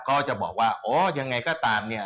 ก็จะบอกว่าอ๋อยังไงก็ตามเนี่ย